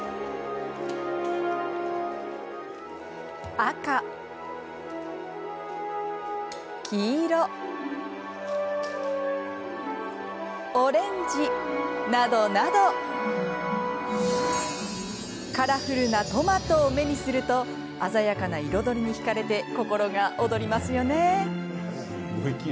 赤、黄色オレンジなどなどカラフルなトマトを目にすると鮮やかな彩りにひかれて心が躍りますよね。